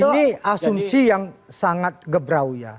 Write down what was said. ini asumsi yang sangat gebrau ya